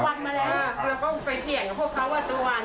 แล้วก็ไปเถียงกับพวกเขาว่าตัววานเจอว่าวานเจอ